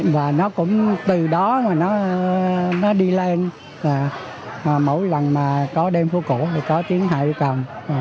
và nó cũng từ đó mà nó đi lên là mỗi lần mà có đêm phố cổ thì có tiếng đàn hạ uy cầm